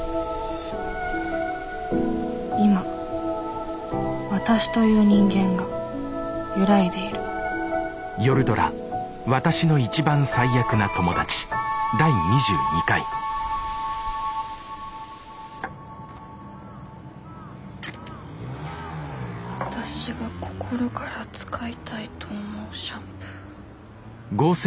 今わたしという人間が揺らいでいるわたしが心から使いたいと思うシャンプー。